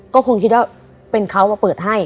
ก็คงคิดว่าเป็นเขามาเปิดให้